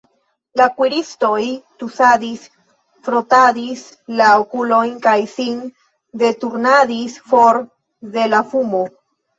La kuiristoj tusadis, frotadis la okulojn kaj sin deturnadis for de la fumo.